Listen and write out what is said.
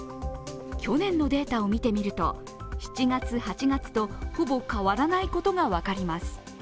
去年のデータを見てみると７月、８月とほぼ変わらないことが分かります。